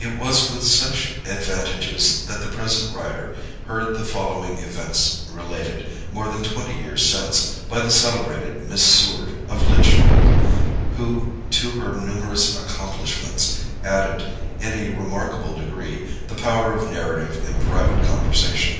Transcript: It was with such advantages that the present writer heard the following events related, more than twenty years since, by the celebrated Miss Seward, of Litchfield, who, to her numerous accomplishments, added, in a remarkable degree, the power of narrative in private conversation.